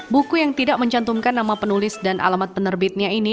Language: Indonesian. buku yang tidak mencantumkan nama penulis dan alamat penerbitnya ini